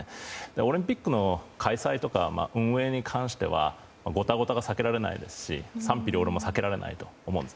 オリンピックの開催とか運営に関してはごたごたが避けられないですし賛否両論も避けられないと思います。